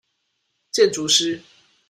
建築師